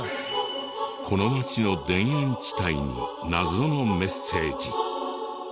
この町の田園地帯に謎のメッセージ。